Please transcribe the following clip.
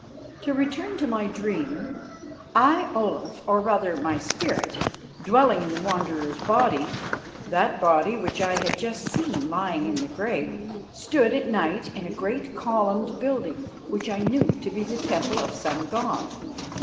To return to my dream. I, Olaf, or, rather, my spirit, dwelling in the Wanderer's body, that body which I had just seen lying in the grave, stood at night in a great columned building, which I knew to be the temple of some god.